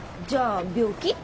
じゃあ病気？